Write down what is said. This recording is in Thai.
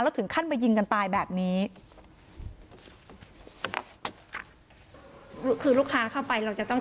แล้วถึงขั้นมายิงกันตายแบบนี้